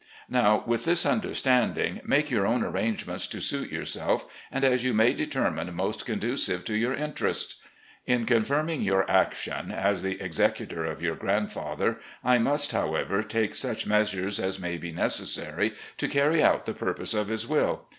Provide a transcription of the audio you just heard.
Now, with this understanding, make your own arrange ments to suit yourself, and as you may determine most conducive to yovir interests. In confirming your action, as the executor of your grandfather, I must, however, take such measures as may be necessary to carry out the pur pose of his will.